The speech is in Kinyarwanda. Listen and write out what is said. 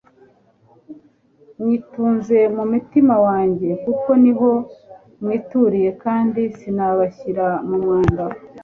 nyituze mu mutima wanjye kuko niho mwituriye kandi sinabashyira mu mwanda